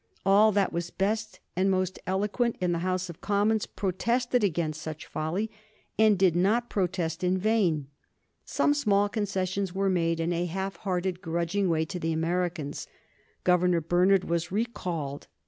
All that was best and most eloquent in the House of Commons protested against such folly, and did not protest in vain. Some small concessions were made in a half hearted and grudging way to the Americans. Governor Bernard was recalled.